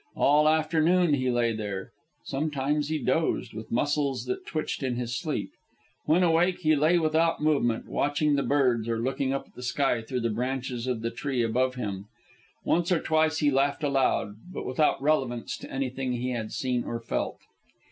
All afternoon he lay there. Sometimes he dozed, with muscles that twitched in his sleep. When awake, he lay without movement, watching the birds or looking up at the sky through the branches of the tree above him. Once or twice he laughed aloud, but without relevance to anything he had seen or felt.